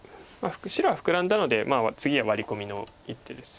白はフクラんだので次はワリコミの一手です。